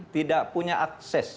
tidak punya akses